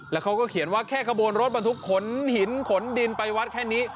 แล้วเขาก็เขียนว่าแค่กระบวนรถบรรทุกขนหินขนดินไปวัดแค่นี้